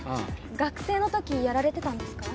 学生のときやられてたんですか？